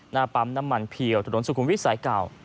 หน้าปั๊มน้ำมันเพียวถนนสุขุมวิทย์สายเก่า